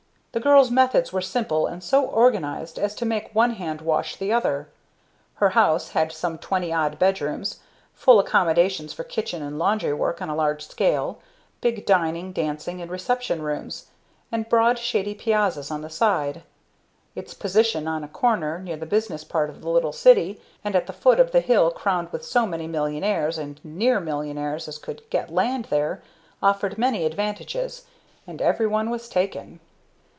The girl's methods were simple and so organized as to make one hand wash the other. Her house had some twenty odd bedrooms, full accommodations for kitchen and laundry work on a large scale, big dining, dancing, and reception rooms, and broad shady piazzas on the sides. Its position on a corner near the business part of the little city, and at the foot of the hill crowned with so many millionaires and near millionaires as could get land there, offered many advantages, and every one was taken.